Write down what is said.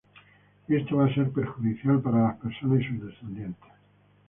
Y esto va a ser perjudicial para las personas y sus descendientes.